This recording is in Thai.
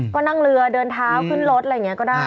ก็นั่งเรือเดินเท้าขึ้นรถอะไรอย่างนี้ก็ได้